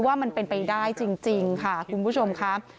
ว่ามันเป็นไปได้จริงค่ะคุณผู้ชมครับ